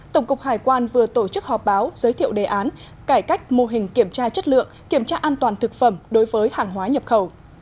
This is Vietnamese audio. tổng cục hải quan vừa tổ chức họp báo giới thiệu đề án cải cách mô hình kiểm tra chất lượng kiểm tra an toàn thực phẩm đối với hàng hóa nhập khẩu